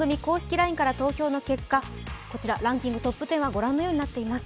ＬＩＮＥから投票の結果、ランキングトップ１０はご覧のようになっています。